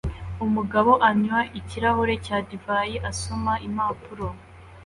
Umugabo anywa ikirahure cya divayi asoma impapuro